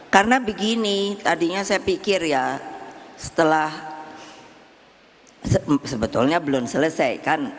karena begini tadinya saya pikir ya setelah sebetulnya belum selesai kan